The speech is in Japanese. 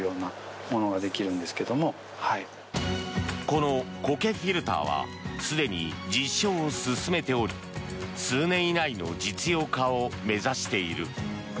このコケフィルターはすでに実証を進めており数年以内の実用化を目指している。